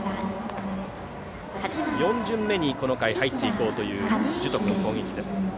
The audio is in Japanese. ４巡目に入っていこうという樹徳の攻撃です。